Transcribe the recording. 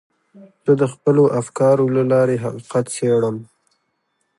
زه د خپلو افکارو له لارې حقیقت څېړم.